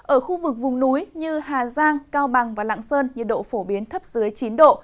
ở khu vực vùng núi như hà giang cao bằng và lạng sơn nhiệt độ phổ biến thấp dưới chín độ